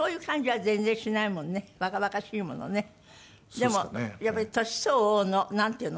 でもやっぱり年相応のなんていうの？